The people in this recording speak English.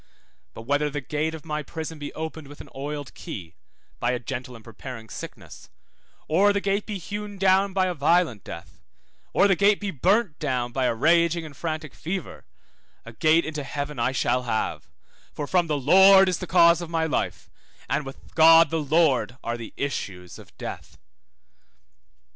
But whether the gate of my prison be opened with an oiled key (by a gentle and preparing sickness), or the gate be hewn down by a violent death, or the gate be burnt down by a raging and frantic fever, a gate into heaven I shall have, for from the Lord is the cause of my life, and with God the Lord are the issues of death.